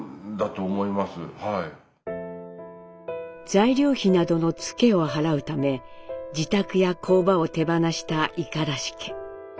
材料費などのツケを払うため自宅や工場を手放した五十嵐家。